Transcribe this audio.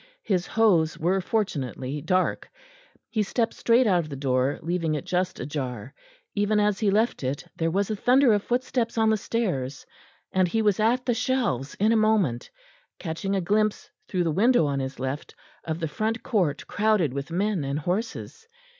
His hose were fortunately dark. He stepped straight out of the door, leaving it just ajar. Even as he left it there was a thunder of footsteps on the stairs, and he was at the shelves in a moment, catching a glimpse through the window on his left of the front court crowded with men and horses.